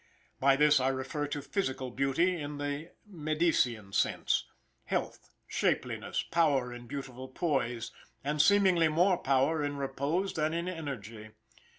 By this I refer to physical beauty in the Medician sense health, shapeliness, power in beautiful poise, and seemingly more powerful in repose than in energy.